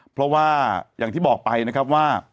เพราะว่าอย่างที่บอกไปนะครับว่า